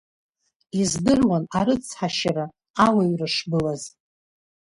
Издыруан арыцҳашьара, ауаҩра шбылаз…